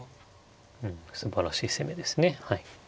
うんすばらしい攻めですね。